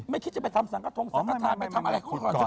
ไม่คิดจะไปทำสังกระทงสังกระทานไปทำอะไร